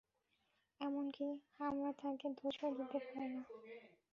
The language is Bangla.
এমনি কি, আমরা তাকে দোষও দিতে পারি না।